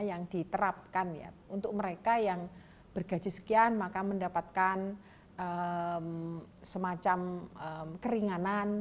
yang diterapkan ya untuk mereka yang bergaji sekian maka mendapatkan semacam keringanan